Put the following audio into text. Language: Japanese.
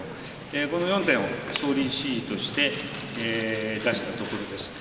この４点を総理指示として出したところです。